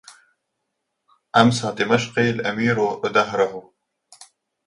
أمسى دمشقي الأمير ودهره